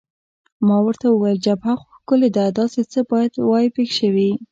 ما ورته وویل: جبهه خو ښکلې ده، داسې څه باید نه وای پېښ شوي.